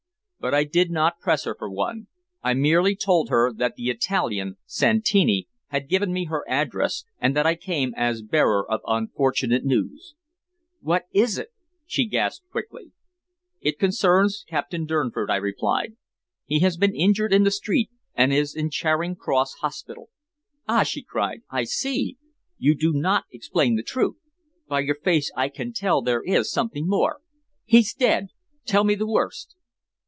But I did not press her for one. I merely told her that the Italian Santini had given me her address and that I came as bearer of unfortunate news. "What is it?" she gasped quickly. "It concerns Captain Durnford," I replied. "He has been injured in the street, and is in Charing Cross Hospital." "Ah!" she cried. "I see. You do not explain the truth. By your face I can tell there is something more. He's dead! Tell me the worst."